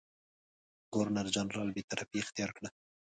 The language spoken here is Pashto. ګورنرجنرال بېطرفي اختیار کړه.